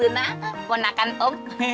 pernah bukan om